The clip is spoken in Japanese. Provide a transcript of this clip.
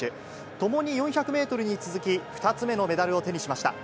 ともに４００メートルに続き、２つ目のメダルを手にしました。